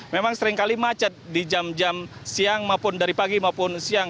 memang seringkali macet di jam jam siang maupun dari pagi maupun siang